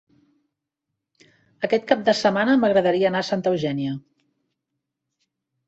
Aquest cap de setmana m'agradaria anar a Santa Eugènia.